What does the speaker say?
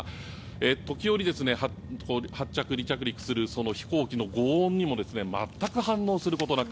時折離着陸する飛行機のごう音にも全く反応することなく。